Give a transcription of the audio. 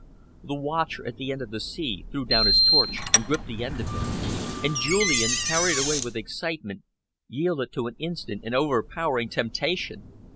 The watcher at the edge of the sea threw down his torch and gripped the end of it, and Julian, carried away with excitement, yielded to an instant and overpowering temptation.